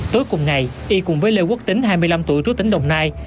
tối cùng ngày y cùng với lê quốc tính hai mươi năm tuổi trú tỉnh đồng nai